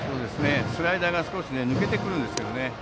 スライダーが少し抜けてくるんですよね。